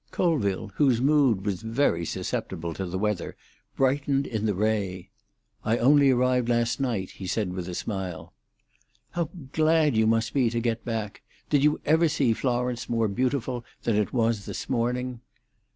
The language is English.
Colville, whose mood was very susceptible to the weather, brightened in the ray. "I only arrived last night," he said, with a smile. "How glad you must be to get back! Did you ever see Florence more beautiful than it was this morning?"